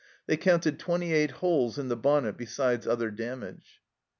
They counted twenty eight holes in the bonnet, besides other damage.